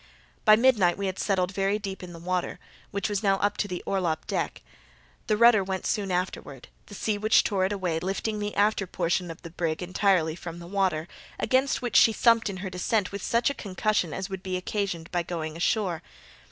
By midnight we had settled very deep in the water, which was now up to the orlop deck. The rudder went soon afterward, the sea which tore it away lifting the after portion of the brig entirely from the water, against which she thumped in her descent with such a concussion as would be occasioned by going ashore.